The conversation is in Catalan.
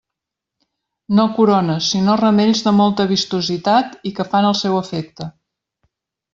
No corones, sinó ramells de molta vistositat i que fan el seu efecte.